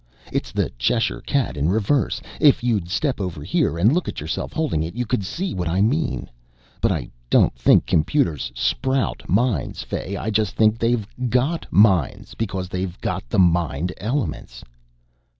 It's the Cheshire cat in reverse. If you'd step over here and look at yourself holding it, you could see what I mean. But I don't think computers sprout minds, Fay. I just think they've got minds, because they've got the mind elements."